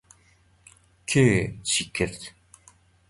کێ چی کرد؟